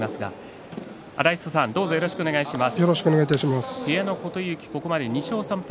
よろしくお願いします。